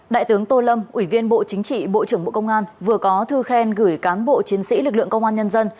đại tướng tô lâm ủy viên bộ chính trị bộ trưởng bộ công an vừa có thư khen gửi cán bộ chiến sĩ lực lượng công an nhân dân